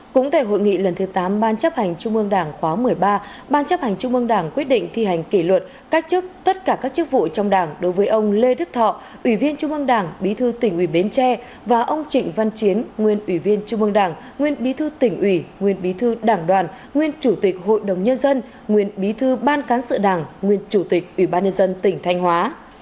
cũng tại hội nghị lần thứ tám ban chấp hành trung mương đảng khóa một mươi ba ban chấp hành trung mương đảng quyết định thi hành kỷ luật các chức tất cả các chức vụ trong đảng đối với ông lê đức thọ ủy viên trung mương đảng bí thư tỉnh ủy bến tre và ông trịnh văn chiến nguyên ủy viên trung mương đảng nguyên bí thư tỉnh ủy nguyên bí thư đảng đoàn nguyên chủ tịch hội đồng nhân dân nguyên bí thư ban cán sự đảng nguyên chủ tịch ủy ban nhân dân tỉnh thanh hóa